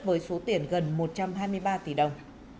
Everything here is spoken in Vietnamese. với số tiền gần một trăm hai mươi ba tỷ đồng